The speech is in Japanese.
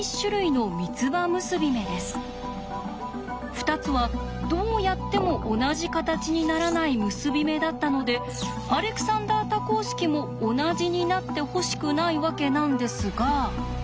２つはどうやっても同じ形にならない結び目だったのでアレクサンダー多項式も同じになってほしくないわけなんですが。